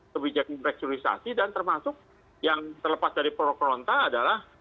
kebijakan restrukturisasi dan termasuk yang terlepas dari prokronta adalah